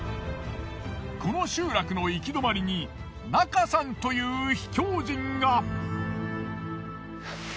この集落の行き止まりに中さんという秘境人が。